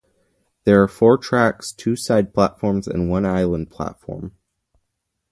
There are four tracks, two side platforms, and one island platform.